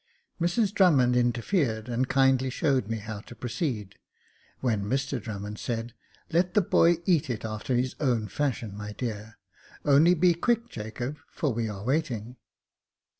Mrs Drummond interfered, and kindly showed me how to proceed ; when Mr Drummond said, Let the boy eat it after his own fashion, my dear — only be quick, Jacob, for we are waiting."